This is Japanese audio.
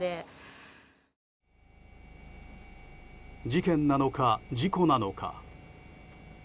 事件なのか、事故なのか。